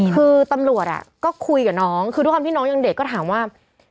คือตำรวจก็คุยกับน้องคือด้วยความที่น้องยังเด็กก็ถามว่า